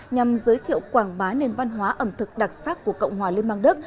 nhằm giới thiệu quảng bá nền văn hóa ẩm thực đặc sắc của cộng hòa liên bang đức